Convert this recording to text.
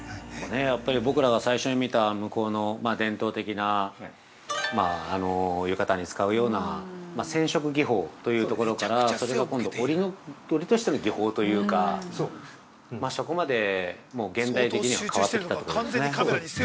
やっぱり僕らが最初に見た向こうの伝統的な浴衣に使うような染色技法というところから、それが今度、織りとしての技法というかそこまで現代的には変わってきたということですね。